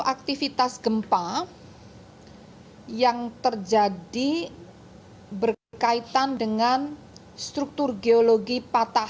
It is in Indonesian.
maka dapat disimpulkan bahwa gempa yang terjadi merupakan aktivitas gempa baru